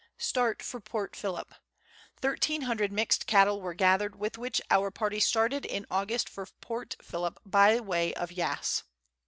Start for Port Phillip. Thirteen hundred mixed cattle were gathered, with which our party started in August for Port Phillip by way of Yass.